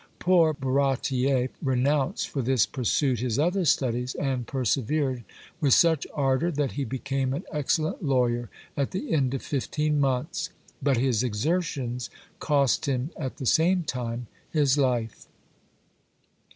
Poor Barratier renounced for this pursuit his other studies, and persevered with such ardour that he became an excellent lawyer at the end of fifteen months; but his exertions cost him at the same time his life!